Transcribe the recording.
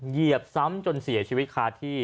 เหยียบซ้ำจนเสียชีวิตคาที่